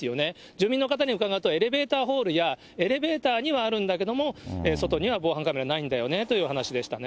住民の方に伺うと、エレベーターホールや、エレベーターにはあるんだけれども、外には防犯カメラないんだよねという話でしたね。